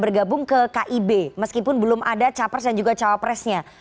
bergabung ke kib meskipun belum ada capres dan juga cawapresnya